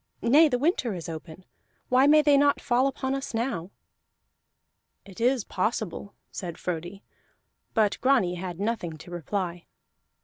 Nay, the winter is open: why may they not fall upon us now?" "It is possible," said Frodi, but Grani had nothing to reply.